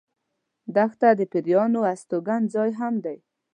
دښته د پېرانو استوګن ځای هم دی.